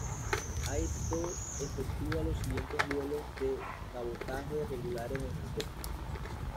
Air Do efectúa los siguientes vuelos de cabotaje regulares desde Tokio.